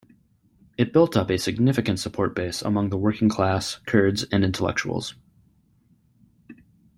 It built up a significant support base among the working class, Kurds and intellectuals.